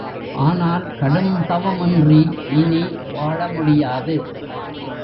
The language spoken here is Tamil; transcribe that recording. ஆனால் கடுந்தவம் இன்றி இனி வாழ முடியாது.